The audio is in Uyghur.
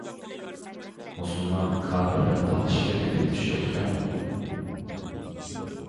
مۇسۇلمان كاپىر دەپ تالىشىپ كەتكۈدەك ئىش يوق ئىكەنغۇ.